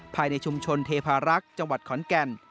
ภายในชุมชนเทพารักษ์จังหวัดขอนแก่น